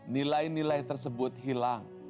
nilai nilai tersebut hilang